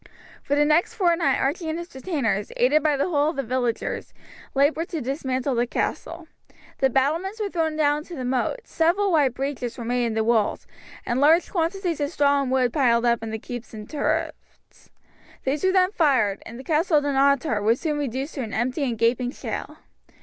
For the next fortnight Archie and his retainers, aided by the whole of the villagers, laboured to dismantle the castle. The battlements were thrown down into the moat, several wide breaches were made in the walls, and large quantities of straw and wood piled up in the keep and turrets. These were then fired, and the Castle of Dunottar was soon reduced to an empty and gaping shell.